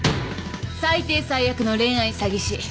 最低最悪の恋愛詐欺師。